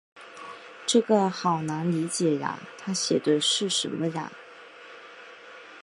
这个好难理解呀，她写的是什么呀？